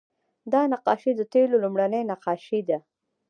دا نقاشۍ د تیلو لومړنۍ نقاشۍ دي